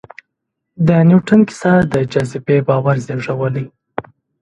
د نیوټن کیسه د جاذبې باور زېږولی.